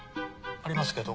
ありますけど。